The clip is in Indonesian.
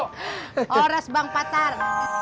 horas bang patar